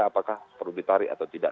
apakah perlu ditarik atau tidak